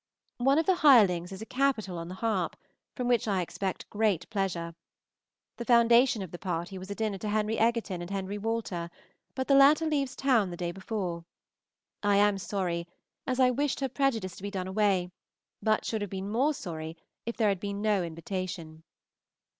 One of the hirelings is a Capital on the harp, from which I expect great pleasure. The foundation of the party was a dinner to Henry Egerton and Henry Walter, but the latter leaves town the day before. I am sorry, as I wished her prejudice to be done away, but should have been more sorry if there had been no invitation.